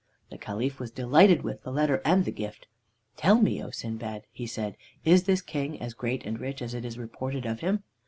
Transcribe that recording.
"The Caliph was delighted with the letter and the gift. "'Tell me, O Sindbad,' he said, 'is this King as great and rich as it is reported of him?'